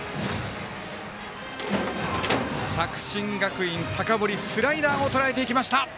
作新学院、高森スライダーをとらえていきました。